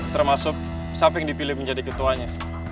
termasuk sampai yang dipilih menjadi ketuanya